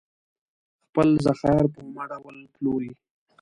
خپل ذخایر په اومه ډول پلوري.